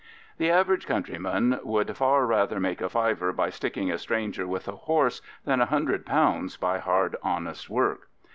The average countryman would far rather make a fiver by sticking a stranger with a horse than £100 by hard honest work.